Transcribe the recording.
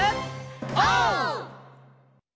オー！